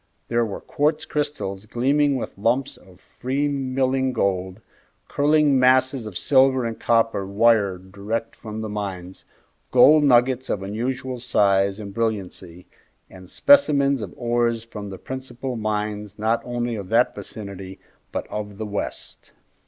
There were quartz crystals gleaming with lumps of free milling gold, curling masses of silver and copper wire direct from the mines, gold nuggets of unusual size and brilliancy, and specimens of ores from the principal mines not only of that vicinity, but of the West.